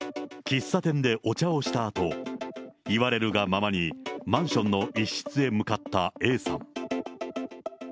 喫茶店でお茶をしたあと、言われるがままにマンションの一室へ向かったＡさん。